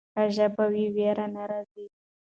که ژبه وي ویره نه راځي.